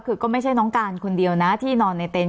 คือก็ไม่ใช่น้องการคนเดียวนะที่นอนในเต็นต